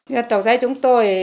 giờ tổng giấy chúng tôi